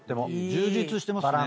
充実してますね。